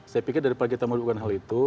saya pikir daripada kita melakukan hal itu